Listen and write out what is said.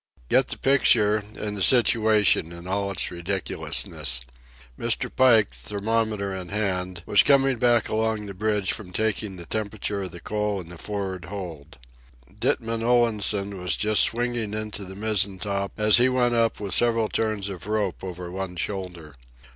Get the picture and the situation in all its ridiculousness. Mr. Pike, thermometer in hand, was coming back along the bridge from taking the temperature of the coal in the for'ard hold. Ditman Olansen was just swinging into the mizzen top as he went up with several turns of rope over one shoulder.